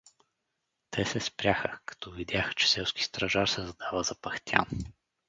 Те се спряха, като видяха, че селски стражар се задава запъхтян.